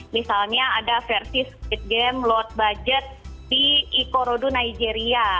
misalnya ada versi squid game low budget di ikorodu nigeria